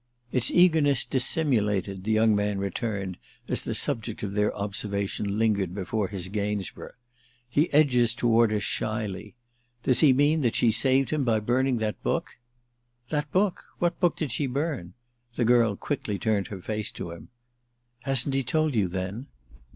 "It's eagerness dissimulated," the young man returned as the subject of their observation lingered before his Gainsborough. "He edges toward us shyly. Does he mean that she saved him by burning that book?" "That book? what book did she burn?" The girl quickly turned her face to him. "Hasn't he told you then?"